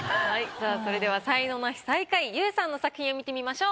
さあそれでは才能ナシ最下位ＹＯＵさんの作品を見てみましょう。